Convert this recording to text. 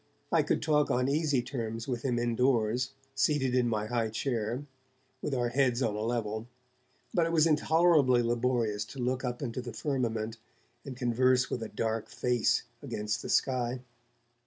I could talk on easy terms with him indoors, seated in my high chair, with our heads on a level, but it was intolerably laborious to look up into the firmament and converse with a dark face against the sky.